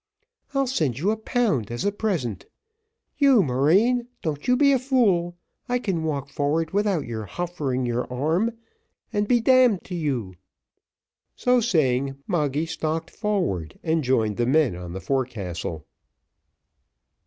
I'll send you a pound as a present. You marine, don't be a fool I can walk forward without your hoffering your arm, and be d d to you." So saying, Moggy stalked forward and joined the men on the forecastle.